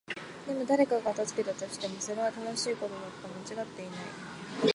でも、誰が片付けたとしても、それは正しいことだった。間違っていない。